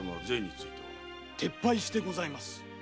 撤廃してございます。